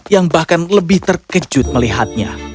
yang bahkan lebih terkejut melihatnya